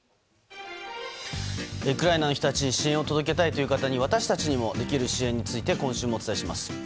ウクライナの人たちに支援を届けたいという方に私たちにもできる支援について今週もお伝えします。